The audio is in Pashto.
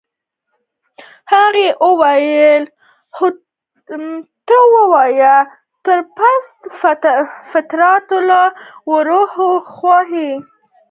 هغې وویل: هو ته يې، ته تر پست فطرته لا ورهاخوا يې.